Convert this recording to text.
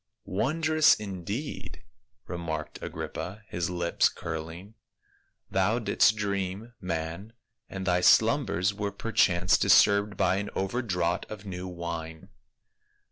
" "Wondrous, indeed!" remarked Agrippa, his lips curling. " Thou didst dream, man, and thy slumbers were perchance disturbed by an over draught of new wine."